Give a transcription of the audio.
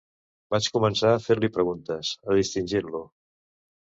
Vaig començar a fer-li preguntes, a distingir-lo